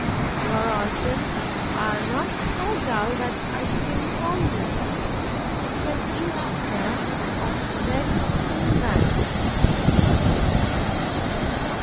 —Your organs are not so dull that I should inform you—'tis an inch, Sir, of red seal wax.